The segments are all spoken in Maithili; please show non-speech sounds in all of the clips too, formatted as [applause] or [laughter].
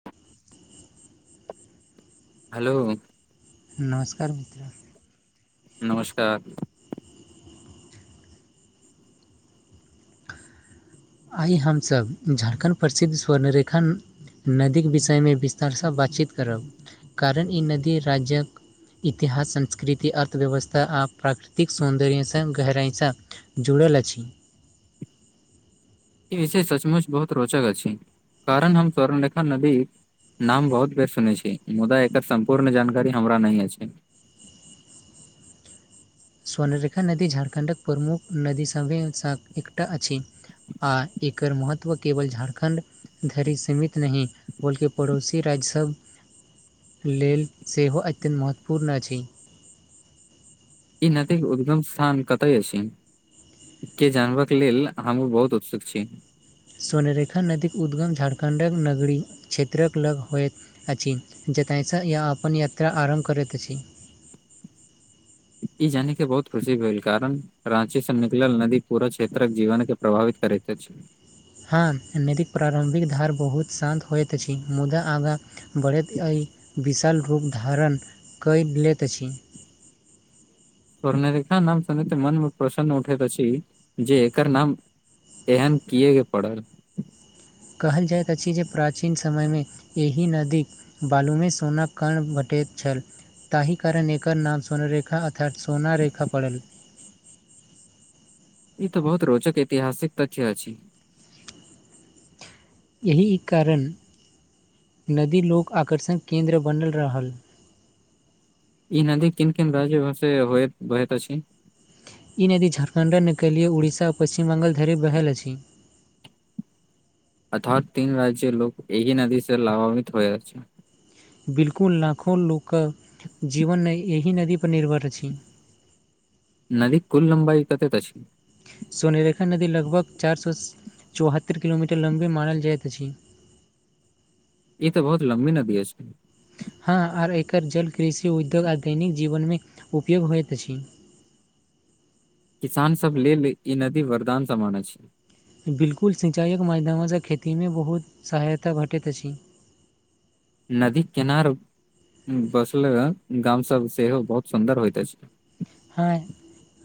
[unintelligible] हेल्लो नमस्कार मित्रो नमस्कार आइ हमसभ झारखण्ड प्रसिद्ध स्वर्णरेखन नदीक विषयमे विस्तारसँ बातचीत करब कारण ई नदी राज्यक इतिहास संस्कृति अर्थव्यवस्था आ प्राकृतिक सौन्दर्यसँ गहराइसँ जुड़ल अछि ई विषय सचमुच बहुत रोचक अछि कारण हम स्वर्णलेखा नदी नाम बहुत बेस सुनै छी मुदा एकर सम्पूर्ण जानकारी हमरा नहि अछि स्वर्णरेखा नदी झारखण्डक प्रमुख नदी सभ एकटा अछि आ एकर महत्व केवल झारखण्ड घड़ी सीमित नहि बोलकि पड़ोसी राज्यसभ लेल सेहो अत्यन्त महत्वपूर्ण अछि ई नदी उद्गम स्थान कतऽ अछि के जानबऽ के लेल हमूँ बहुत उत्सुक छि स्वनरेखा नदीक उद्गम झारखण्डक नगरी क्षेत्रक लग होयत अछि जतसँ य अपन अपन यात्रा आरम्भ करैत अछि ई जानी के बहुत खुशी भेल कारण राची से निकलल नदी पूरा क्षेत्रक जीवन के प्रभावित करैत अछि हँ निदिक प्रारम्भिक धार बहुत शान्त होइत अछि मुदा आगाँ बढ़ैत एहि विशाल रूप धारण कऽ लैत अछि स्वर्णरेखा नाम सुने मनमे प्रसन्न उठैत अछि जे एकर नाम एहन किए के पड़ल कहल जाइत अछि जे प्राचीन समयमे एहि नदीक बालूमे सोनााक कण भटैत छल ताहि कारण एकर नाम स्वर्णरेखा अर्थात सोना रेखा पड़ल ई तऽ बहुत रोचक ऐतिहासिक तथ्य अछि एहि कारण नदी लोक आकर्षण केन्द्र बनल रहल ई नदी किन किन राज्य भ से होयेत बहत अछि ई नदी झारखण्डक नकलय उड़ीसा आ पश्चिम बहल धरि बहल अछि अथात तीन राज्य लोक एहिी नदी से लभान्वित होय रह छै बिलकुल लाखो लोकके जीवन एहि नदीपर निर्भर अछि नदी कुल लम्बाई कतैक अछि सोनरेखा नदी लगभग चारि सए चौहत्तरि किलोमीटर लम्बे मानल जाइत अछि ई त बहुत लम्बी नदी अछि हँ आर एकर जल कृषि उद्योग आ दैनिक जीवनमे उपयोग होइत अछि किसान सब लेल ई नदी वरदान समान अछि बिल्कुल सिंचाइक म मैदानसँ खेतीमे बहुत सहायता भेटैत अछि नदी किनार बसल गाम सब सेहो बहुत सुन्दर होइत अछि हाय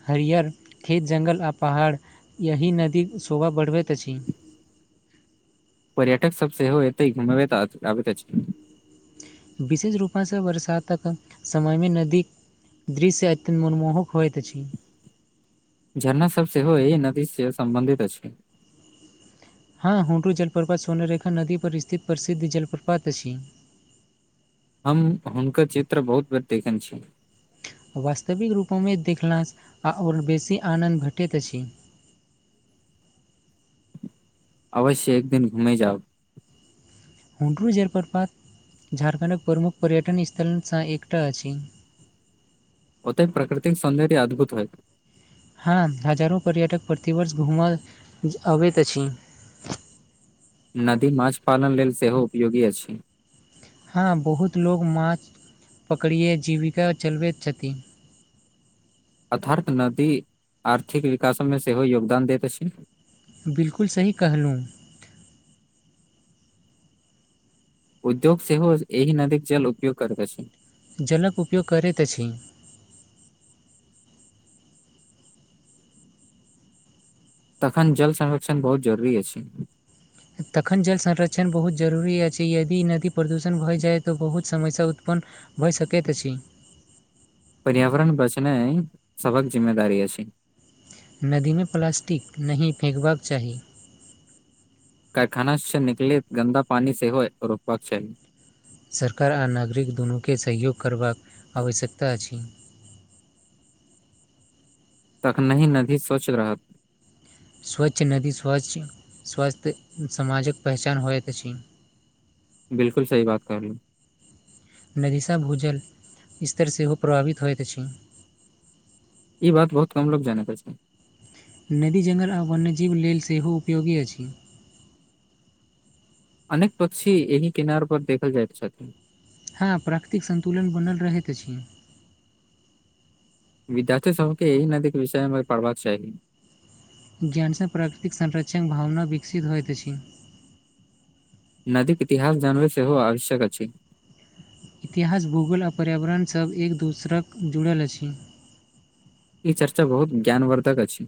हरियर खेत जङ्गल आ पहाड़ एहिह नदी शोभा बढ़बैत अछि पर्यटक सब सेहो एतै घुब आबैत अछि विशेष रूपसँ बरसातक समय मे नदी दृश्य अत्यन्त मनमोहक होइत अछि झरना सब सेहो य नदी सेहो सम्बन्धित अछि हँ हुडू जलप्रपात स्वर्णरेखा नदी परर स्थित प्रसिद्ध जलप्रपात अछि हम हुनकर चित्र बहुत बेर देखने छी वास्तविक रूपमे देखला से आ आओर बेसी आनन्द भेटैत अछि अवश्य एक दिन घुमे जाउ हुडरू जलप्रपात झारखण्डक प्रमुख पर्यटन स्थलसँ एकटा अछि ओतय प्राकृतिक सौन्दर्य अद्भुत होइ हँ हजारो पर्यटक प्रतिवर्ष घूमऽ अबैत अछि नदी माँछ पालन लेल सेहो उपयोगी अछि। हँ बहुत लोग माछ पकड़े जीविका चलबैत छथिन अथार्थ नदी आर्थिक विकासमे सेहो योगदान दैत अछि बिलकुल सही कहलहुँ उद्योग सेहो एहि नदीक जल उपयोग करैत अछि जलक उपयोग करैत अछि तखन जल संरक्षण बहुत जरूरी अछि तखन जल संरक्षण बहुत जरूरी अछि यदि नदी प्रदूषण भऽ जाइ तऽ बहुत समस्या उत्पन्न भइ सकैत अछि पर्यावरण बचैनाय सभक जिम्मेदारी अछि नदीमे प्लास्टिक नहि फेकबाक चाहि कारखाना से निकलेत गन्दा पानी सेहो रोकबाक चाहि सरकार आ नागरिक दुनूके सहयोग करबाक आवश्यकता अछि तखनही नदी स्वच्छ रहत स्वच्छ नदी स्वच्छ स्वच्छ समाजक पहचान होइत अछि [inaudible] बिलकल सही बात कहलिये नदिसॅ भूजल स्तर सेहो प्रभावित होइत अछि ई बात बहुत कम लोग जानैत अछि नदी जंगल आ वन्यजीव लेल सेहो उपयोगी अछि अनेक पक्षी एहि किनार पर देखल जाइत छथि हँ प्राकृतिक सन्तुलन बनल रहैत अछि विद्यार्थी सभके एहि नदी के विषयमे पढ़बाक चाहि ज्ञानसँ प्राकृतिक संरक्षक भावना विकसित होइत अछि नदी के इतिहास जान बे सेहो आवश्यक अछि इतिहास भूगोल आ पर्यावरण सब एक दोसरक जुड़ल अछि ई चर्चा बहुत ज्ञानवर्धक अछि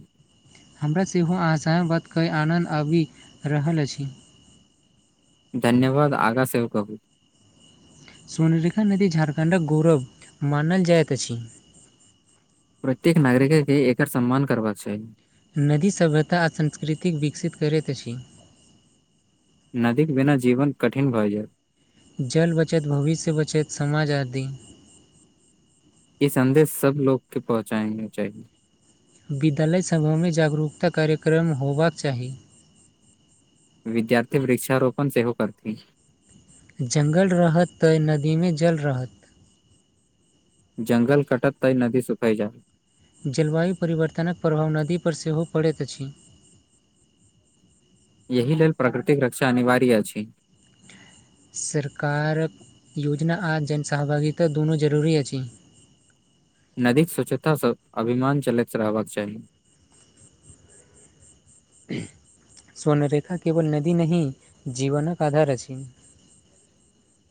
हमरा सेहो आहसान बातके आनन्द आबि रहल अछि धन्यवाद आगाँ आओर सव कहू सोनरेखा नदी झारखण्डक गौरव मानल जाइत अछि प्रत्येक नागरिक के एकर सम्मान करबाक चाही नदी सभ्यता आ संस्कृति विकसित करैत अछि नदी के बिना जीवन कठिन भए जायत जल बचत भविष्य बचैत समाज आदि ई संदेश सब लोग के पहुँचाने चाहि विद्यालय समूह जागरूकता कार्यक्रम होयबाक चाही विद्यार्थी वृक्षारोपण सेहो करती जंगल रहत त नदी मे जल रहत जंगल कटत तय नदी सुखई जा जलवायु परिवर्तनक प्रभाव नदी पर सेहो पड़ैत अछि यहि लेल प्रकृतिक रक्षा अनिवार्य अछि सरकारक योजना आ जनसहभागिता दुनू जरूरी अछि नदी स्वच्छता स अभिमान चलैत रहबाक चाही स्वर्ण रेखा केवल नदी नहि जीवनक आधार अछि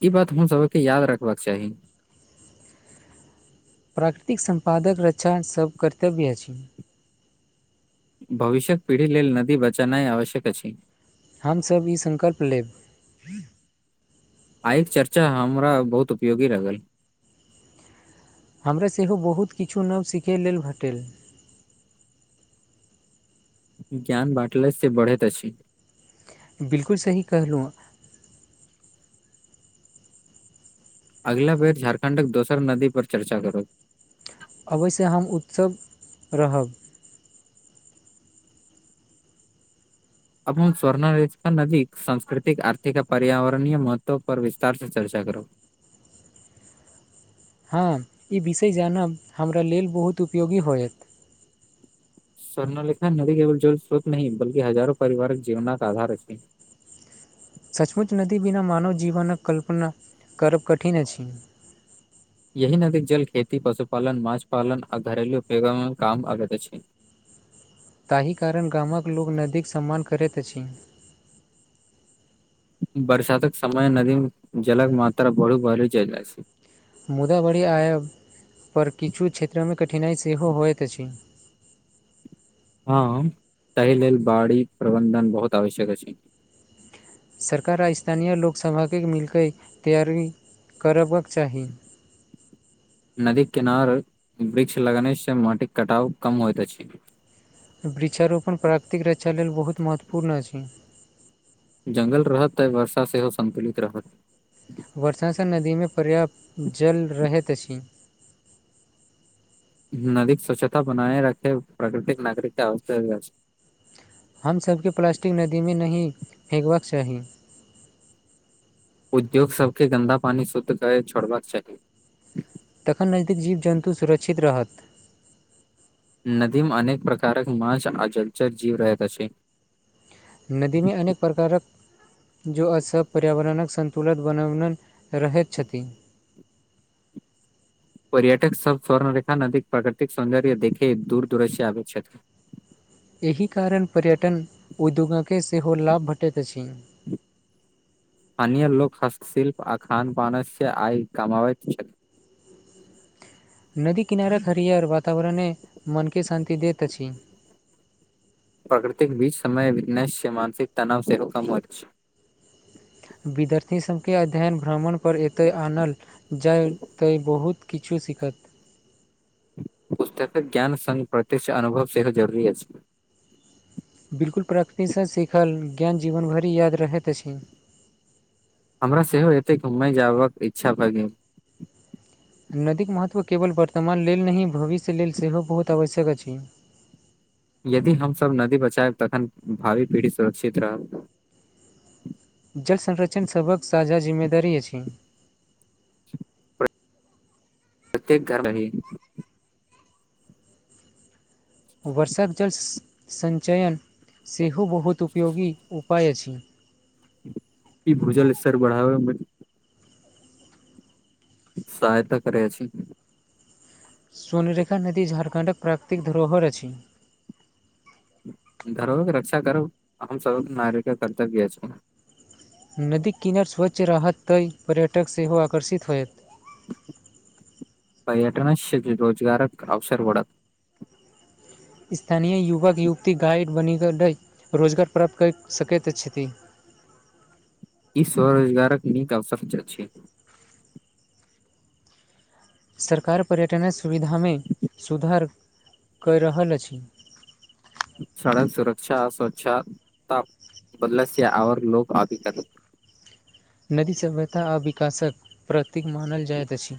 ई बात हम सब के याद रखबाक चाही प्राकृतिक सम्पादक रक्षा सब कर्तव्य अछि भविष्यक पिढ़ी लेल नदी बचेनाइ आवश्यक अछि हम सब ई संकल्प लेब आइक चर्चा हमरा बहुत उपयोगी लागल हमरा सेहो बहुत किछु नव सिखै लेल भेटल ज्ञान बाटला से बढ़ैत अछी बिलकुल सही कहलु अगिला बेर झारखण्डक दोसर नदी पर चर्चा करब अवस्य हम उत्सव रहब अपन स्वर्ण [unintelligible] नदीक सांस्कृतिक आर्थिक आ पर्यावरणीय महत्व पर विस्तार से चर्चा करब हँ ई विषय जानब हमरा लेल बहुत उपयोगी होयत स्वर्णलेखा नदी केवल जल स्रोत नह बल्कि हजारो परिवारक जीवनक आधार अछि सचमुच नदी बिना मानव जीवनक कल्पना करब कठिन अछि यहि नदीक जल खेती पशुपालन माछ पालन आ घरेलू उपयोगोमे काम आबेत अछि ताहि कारण गामक लोक नदीक सम्मान करैत अछि बरसातक समय नदी जलक मात्रा बरु बढ़े जायला अछि मुदा बरी आयब पर किछु क्षेत्रमे कठिनाइ सेहो होइत अछि हँ ताहि लेल बाड़ी प्रबंधन बहुत आवश्यक अछि सरकार आ स्थानीय लोकसभाके मिलकेऽ तैयारी करबक चाही नदी किनार वृक्ष लगेने से माटिक कटाव कम होइत अछि वृक्षारोपण प्राकृतिक रक्षा लेल बहुत महत्वपूर्ण अछि जंगल रहत त वर्षा सेहो सन्तुलित रहत वर्षा सँ नदी में पर्याप्त जल रहैत अछि नदीक स्वच्छता बनाय राखेब प्राकृतिक नागरिकता [unintelligible] अछि हम सभके प्लास्टिक नदी मे नहि फेेकबाक चाही उद्योग सब के गन्दा पानी शुद्ध करे छोड़बाक चाही तखन नजदीक जीव जन्तु सुरक्षित रहत नदी मे अनेक प्रकारक माछ आ जलचर जीव रहैत अछि नदी मे अनेक प्रकारक जो अच्छा पर्यावरणक सन्तुलन [unintelligible] रहैत छथि पर्यटक सभ स्वर्ण रेखा नदीक प्राकृतिक सौंन्दर्य देखे दूर दूरस्य आवे छथि एहि कारण पर्यटन उद्योगके सेहो लाभ भेटैत अछि अन लोक हस्तशिल्प आ खान पान सँ आय कमाबेयत छथि नदी किनारक हरियर वातावरणे मन के शान्ति दैत अछि प्रकृतिक बीच समय [unintelligible] मानसिक तनाव सेहो कम होयत अछि विद्यार्थी सबके अध्ययन भ्रमण पर एतय आनल जाय तऽ बहुत किछु सीखत पुस्तकक ज्ञान संग प्रत्यक्ष अनुभव सेहो जरुरी अछि बिल्कुल प्रकृति सँ सीखल ज्ञान जीवनभरि याद रहैत अछि हमरा सेहो एते घूमय जाबक इच्छा भए गेल नदीके महत्व केवल वर्तमान लेल नहि भविष्य लेल सेहो बहुत आवश्यक अछि यदि हमसभ नदी बचायब तखन भावी पीढ़ी सुरक्षित रहत जल संरक्षण सभक साझा जिम्मेदारी अछि प्रत्येक घर ही वर्षाक जल संचयन सेहो बहुत उपयोगी उपाय अछि ई भूजल स्तर बढ़ाबे में सहायता करै अछी स्वर्णरेखा नदी झाारखण्डक प्राकृतिक धरोहर अछि धरोहरक रक्षा करब हमसबहक नागरिकक कर्तव्य अछि नदी किनार स्वच्छ रहत तै पर्यटक सेहो आकर्षित होयत पर्यटनस रोजगारक अवसर बढ़त स्थानीय युवक युवती गाइड बनि रोजगार प्राप्त कऽ सकैत छथि ई स्वरोजगारक नीक अवसर अछि सरकार पर्यटन सुविधा मे सुधार कैऽ रहल अछि सड़क सुरक्षा स्वच्छा ताप बदला सँ आवर लोक अभी तक नदी सभ्यता आ विकासक प्रतीक मानल जाइत अछि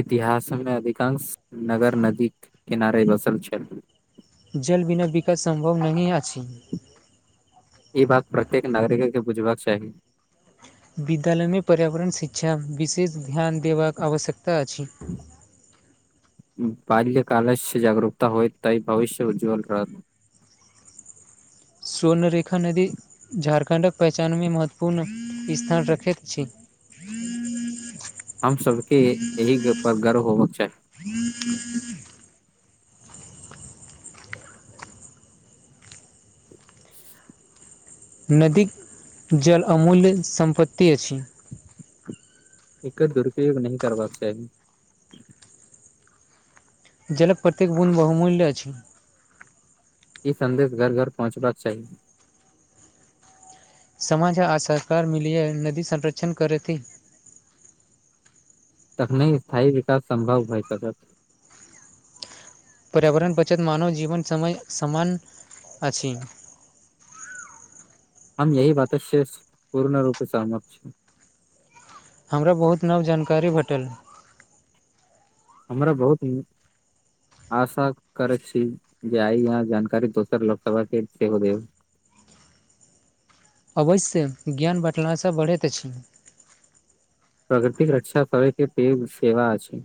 इतिहास मे अधिकांश नगर नदीक किनारे बसल छैथ जल बिना विकाश सम्भव नहि अछी ई बात प्रत्येक नागरिक के बुझबाक चाही विद्यालयमे पर्यावरण शिक्षा विशेष ध्यान देबाक आवश्यकता अछि बाल्य कालसँ जागरूकता होयत त भविष्य उज्ज्वल रहत स्वर्णरेखा नदी झारखण्डक पहचानमे महत्वपूर्ण स्थान रखैत अछि हम सबके एहि पर गर्व होबके चाही [inaudible] नदीक जल अमूल्य सम्पत्ति अछि एकर दुरूपयोग नहि करबाक चाही जलक प्रत्येक बुंद बहुमूल्य अछि ई संदेश घर घर पहुँचबाक चाही समाज आ सरकार मिलियए नदी संरक्षण करति तखने स्थाई विकास सम्भव भए सकत पर्यावरण बचत मानव जीवन समय समान अछि हम यही बात स पूर्ण रूप सहमत छी हमरा बहुत नव जानकारी भेटल हमरा बहुत आशा करै छी जे आई यहाँ जानकारी दोसर लोकसभा के सेहो देब अवश्य ज्ञान बँटला सँ बढ़ैत अछि प्राकृतिक रक्षा करे के पैध सेवा अछि